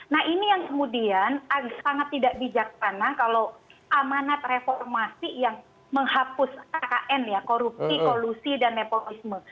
nah ini yang kemudian sangat tidak bijaksana kalau amanat reformasi yang menghapus kkn ya korupsi kolusi dan nepotisme